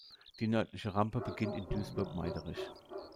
Die nördliche Rampe beginnt in Duisburg-Meiderich.